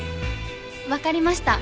わかりました。